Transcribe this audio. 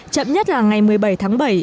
chậm nhất là ngày một mươi bảy tháng bảy